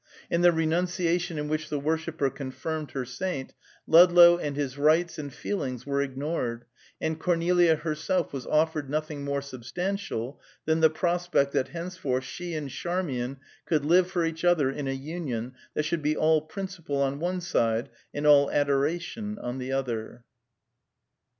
In the renunciation in which the worshipper confirmed her saint, Ludlow and his rights and feelings were ignored, and Cornelia herself was offered nothing more substantial than the prospect that henceforth she and Charmian could live for each other in a union that should be all principle on one side and all adoration on the other.